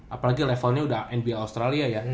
apalagi levelnya udah nba australia ya